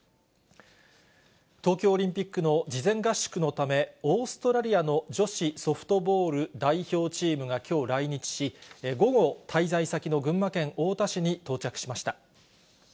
東京オリンピックの事前合宿のため、オーストラリアの女子ソフトボール代表チームがきょう来日し、午後、滞在先の群馬県太田市に到着しました。